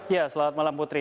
ya selamat malam putri